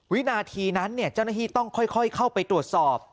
วินาทีนั้นเจ้าหน้าที่ต้องค่อยเข้าไปตรวจสอบ